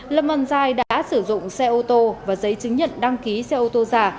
lâm văn giai đã sử dụng xe ô tô và giấy chứng nhận đăng ký xe ô tô giả